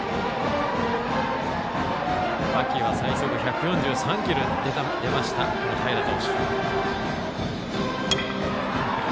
秋は最速１４３キロ出ました平投手。